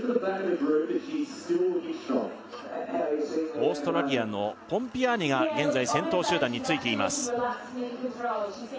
オーストラリアのポンピアーニが現在先頭集団についています